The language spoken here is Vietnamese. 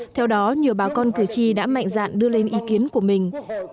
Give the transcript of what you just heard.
theo đó nhiều bà con cử tri đã mạnh dạn đưa lên ý kiến của mình